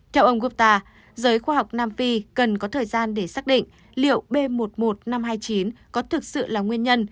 theo ông gutta giới khoa học nam phi cần có thời gian để xác định liệu b một mươi một năm trăm hai mươi chín có thực sự là nguyên nhân